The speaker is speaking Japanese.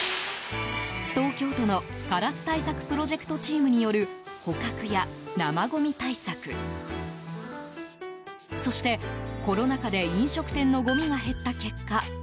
東京都の、カラス対策プロジェクトチームによる捕獲や生ごみ対策そして、コロナ禍で飲食店のごみが減った結果